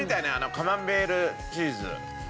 カマンベールチーズ？